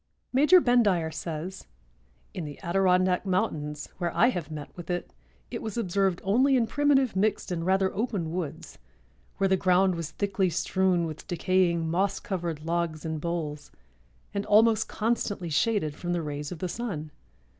Major Bendire says: "In the Adirondack mountains, where I have met with it, it was observed only in primitive mixed and rather open woods, where the ground was thickly strewn with decaying, moss covered logs and boles, and almost constantly shaded from the rays of the sun.